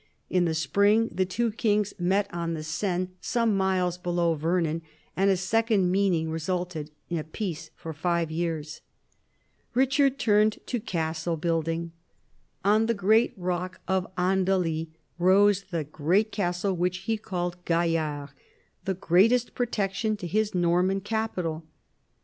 In the spring the two kings met on the Seine, in THE FALL OF THE ANGEYINS 61 some miles below Vernon, and a second meeting resulted in a peace for five years. Eichard turned to castle building. On the great rock of Andely rose the great castle which he called "Gaillard," the greatest protection to his Norman capital.